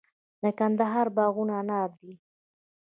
د کندهار باغونه انار دي